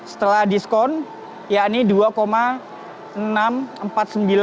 setelah diskon yakni dua enam ratus empat puluh sembilan